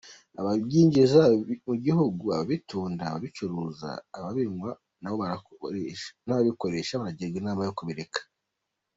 Ababyinjiza mu gihugu, ababitunda, ababicuruza, ababinywa n’ababikoresha baragirwa inama yo kubireka.